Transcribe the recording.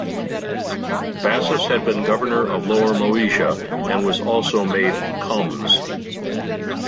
Bassus had been Governor of Lower Moesia, and was also made "comes".